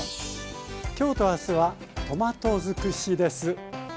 今日と明日はトマト尽くしです。